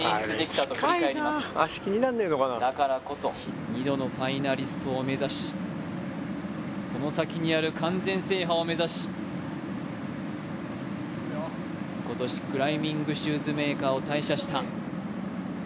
だからこそ、２度のファイナリストを目指し、その先にある完全制覇を目指し、今年、クライミングシューズメーカーを退社した。